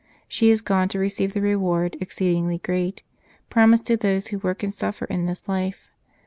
She is gone to receive the reward exceeding great, promised to those who work and suffer in this life.